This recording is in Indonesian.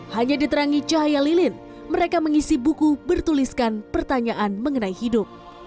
hanya diterangi cahaya lilin mereka mengisi buku bertuliskan pertanyaan mengenai hidup